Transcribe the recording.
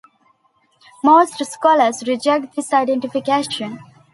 Most scholars reject this identification.